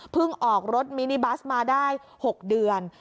ออกรถมินิบัสมาได้๖เดือน